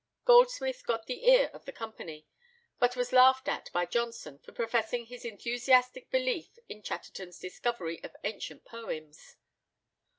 Goldsmith got the ear of the company, but was laughed at by Johnson for professing his enthusiastic belief in Chatterton's discovery of ancient poems.